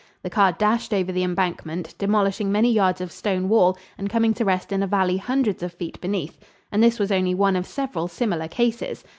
The car dashed over the embankment, demolishing many yards of stone wall and coming to rest in a valley hundreds of feet beneath. And this was only one of several similar cases.